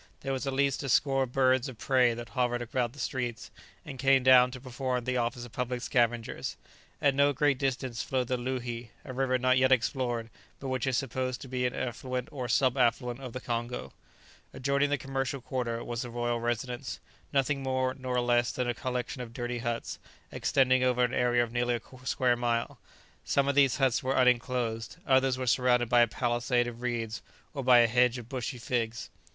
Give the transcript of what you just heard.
There was at least a score of birds of prey that hovered about the streets, and came down to perform the office of public scavengers. At no great distance flowed the Loohi, a river not yet explored, but which is supposed to be an affluent or sub affluent of the Congo. [Illustration: Adjoining the commercial quarter was the royal residence.] Adjoining the commercial quarter was the royal residence, nothing more nor less than a collection of dirty huts, extending over an area of nearly a square mile. Some of these huts were unenclosed; others were surrounded by a palisade of reeds, or by a hedge of bushy figs.